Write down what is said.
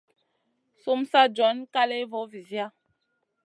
Sumu sa john kaléya vo vizia.